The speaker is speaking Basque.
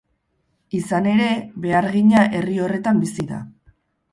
Izan ere, behargina herri horretan bizi da.